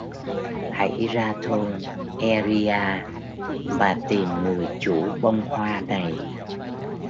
Hãy ra thôn e ri a mà tìm người chủ bông hoa này